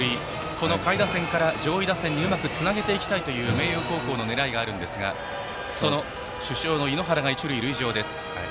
この下位打線から上位打線にうまくつなげていきたいという明桜高校の狙いがあるんですが主将の猪原が一塁の塁上です。